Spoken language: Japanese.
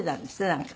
なんか。